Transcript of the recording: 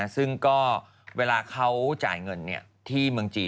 ซึ่งก็เวลาเขาจ่ายเงินที่เมืองจีน